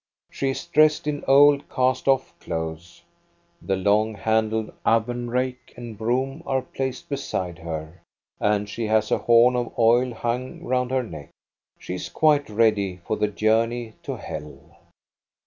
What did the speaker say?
She is dressed in old cast off clothes. The long handled oven rake and broom are placed beside her, and she has a horn of oil hung round her neck. She is quite ready for the journey to hell.